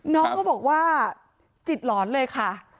น้องก็บอกว่าจิตหลอนเลยค่ะ